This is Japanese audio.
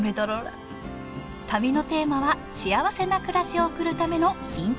旅のテーマはしあわせな暮らしを送るためのヒント探し。